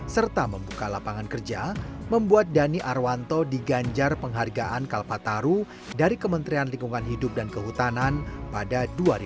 serta membuka lapangan kerja membuat dhani arwanto diganjar penghargaan kalpataru dari kementerian lingkungan hidup dan kehutanan pada dua ribu dua puluh